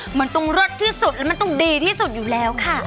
ตรงรสที่สุดแล้วมันตรงดีที่สุดอยู่แล้วค่ะ